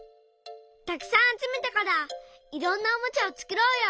たくさんあつめたからいろんなおもちゃをつくろうよ。